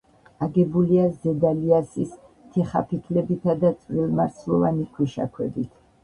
აგებულია ზედა ლიასის თიხაფიქლებითა და წვრილმარცვლოვანი ქვიშაქვებით.